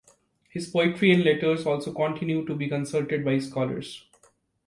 His poetry and letters also continue to be consulted by scholars.